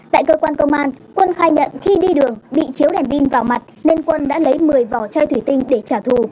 tại cơ quan công an quân khai nhận khi đi đường bị chiếu đèn pin vào mặt nên quân đã lấy một mươi vỏ chai thủy tinh để trả thù